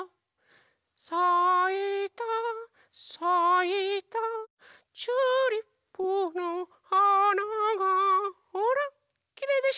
「さいたさいたチューリップのはなが」ほらきれいでしょ